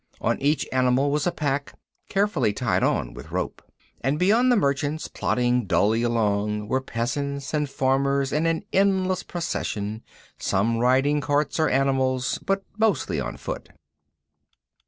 On each animal was a pack, carefully tied on with rope. And beyond the merchants, plodding dully along, were peasants and farmers in an endless procession, some riding carts or animals, but mostly on foot.